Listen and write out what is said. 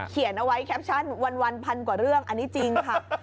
เขียนเอาไว้แคปชั่นวันพันกว่าเรื่องอันนี้จริงค่ะ